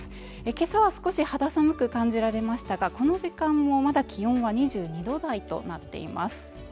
今朝は少し肌寒く感じられましたがこの時間もまだ気温は２２度台となっています